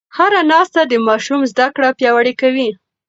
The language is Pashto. هره ناسته د ماشوم زده کړه پیاوړې کوي.